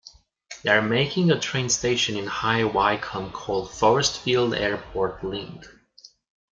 They are making a train station in High Wycombe called Forrestfield-Airport Link.